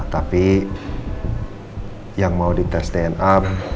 tapi yang mau di tes dna